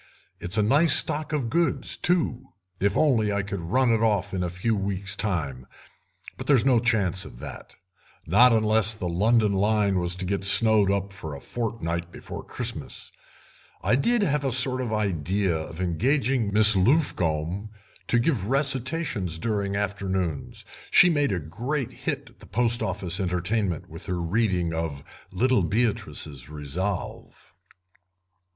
It's a nice stock of goods, too, if I could only run it off in a few weeks time, but there's no chance of that—not unless the London line was to get snowed up for a fortnight before Christmas. I did have a sort of idea of engaging Miss Luffcombe to give recitations during afternoons; she made a great hit at the Post Office entertainment with her rendering of 'Little Beatrice's Resolve'."